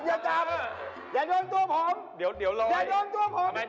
ของมันก็คือมีกล้องอากาศ